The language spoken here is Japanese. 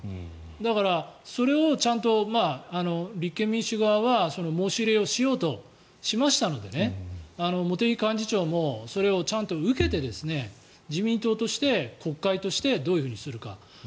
だから、それをちゃんと立憲民主側は申し入れをしようとしましたので茂木幹事長もそれをちゃんと受けて自民党として国会としてどういうふうにするか。